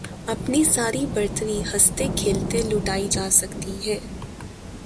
اپنی ساری برتری ہنستے کھیلتے لُٹائی جا سکتی ہے